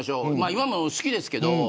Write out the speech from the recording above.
今も好きですけど。